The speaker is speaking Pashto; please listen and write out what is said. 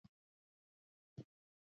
لوبیا په تودو سیمو کې کیږي.